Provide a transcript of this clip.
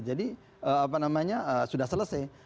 jadi apa namanya sudah selesai